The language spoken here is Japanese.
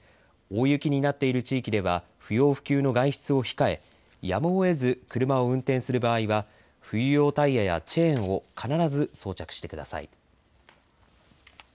大雪になっている地域では不要不急の外出を控えやむをえず車を運転する場合は冬用タイヤやチェーンを必ず装着してください。